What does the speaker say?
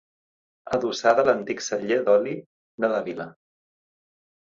Adossada a l'antic celler d'oli de la vila.